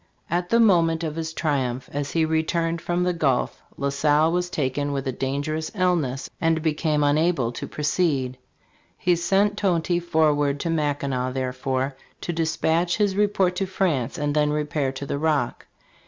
"* At the moment of his triumph, as he returned from the Gulf, La Salle was taken with a dangerous illness and became unable to proceed. He sent Tonty forward to Mackinac, therefore, to dispatch his report to France and then repair to the Rock.